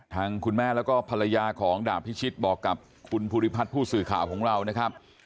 ทางคุณแม่แล้วก็ภรรยาของดาบพิชิตบอกกับคุณภูริพัฒน์ผู้สื่อข่าวของเรานะครับ